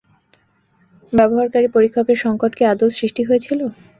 ব্যবহারকারী পরীক্ষকের সংকট কি আদৌও সৃষ্টি হয়েছিলো?